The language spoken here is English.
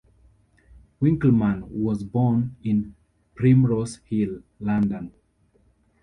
Winkleman was born in Primrose Hill, London.